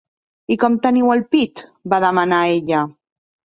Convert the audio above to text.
"I com teniu el pit?", va demanar ella.